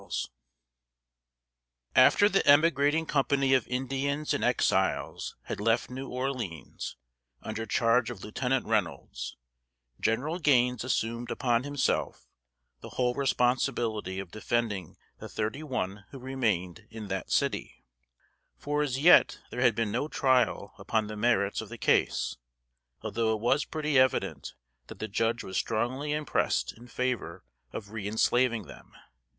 ] After the emigrating company of Indians and Exiles had left New Orleans, under charge of Lieutenant Reynolds, Gen'l Gaines assumed upon himself the whole responsibility of defending the thirty one who remained in that city; for as yet there had been no trial upon the merits of the case, although it was pretty evident that the judge was strongly impressed in favor of reënslaving them.